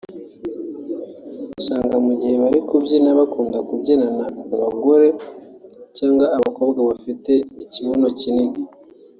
usanga mu gihe bari kubyina bakunda kubyinana n’abagore cyanwa abakobwa bafite ikibuno kinini